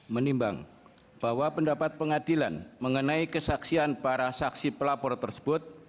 menimbang bahwa pendapat pengadilan mengenai kesaksian para saksi pelapor tersebut